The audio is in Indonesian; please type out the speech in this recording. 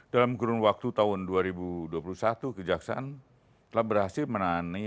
dalam kurun waktu tahun dua ribu dua puluh satu kejaksaan telah berhasil menang